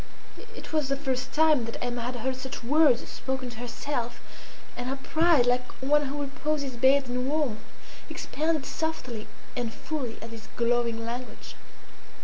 It was the first time that Emma had heard such words spoken to herself, and her pride, like one who reposes bathed in warmth, expanded softly and fully at this glowing language.